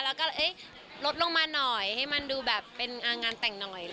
แล้วก็ลดลงมาหน่อยให้มันดูแบบเป็นงานแต่งหน่อย